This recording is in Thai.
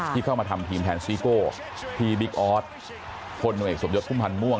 ที่เข้ามาทำทีมแทนซีโก้พีบิ๊กออสคนเหนือเอกสมยศภูมิภัณฑ์ม่วง